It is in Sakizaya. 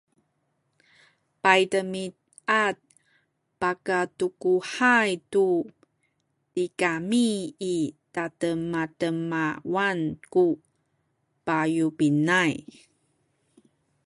paydemiad pakatukuhay tu tigami i tademademawan ku payubinay